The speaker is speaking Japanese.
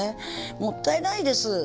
もったいないです。